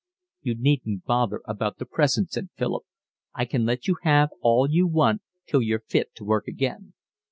"You needn't bother about the present," said Philip. "I can let you have all you want till you're fit to work again."